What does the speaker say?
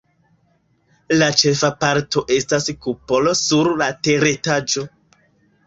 La ĉefa parto estas kupolo sur la teretaĝo.